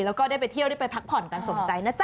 แล้วก็ได้ไปเที่ยวได้ไปพักผ่อนกันสมใจนะจ๊